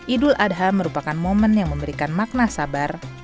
idul adha merupakan momen yang memberikan makna sabar